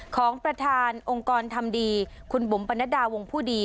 ของประธานองค์กรทำดีคุณบุ๋มปรณดาวงผู้ดี